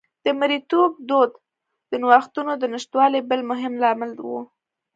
د مریتوب دود د نوښتونو د نشتوالي بل مهم لامل و